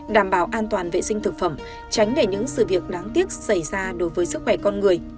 đảm bảo an toàn vệ sinh thực phẩm tránh để những sự việc đáng tiếc xảy ra đối với sức khỏe con người